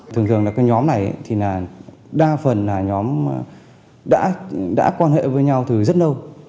thường thường là cái nhóm này thì là đa phần là nhóm đã quan hệ với nhau từ rất lâu